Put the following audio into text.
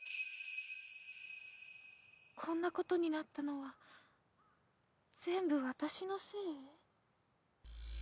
こんなことになったのはぜんぶわたしのせい？